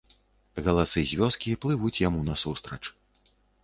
Галасы з вёскі плывуць яму насустрач.